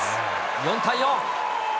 ４対４。